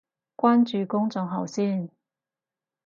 關注公眾號先